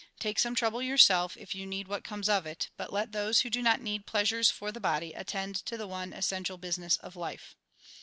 Take some trouble, yourself, if you need what comes of it, but let those who do not need pleasures for the body, attend to the one essential business of life."